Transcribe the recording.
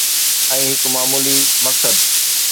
۽ هڪ معمولي مقصد